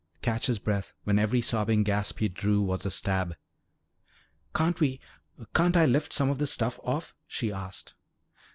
Catch his breath, when every sobbing gasp he drew was a stab! "Can't we can't I lift some of the stuff off?" she asked.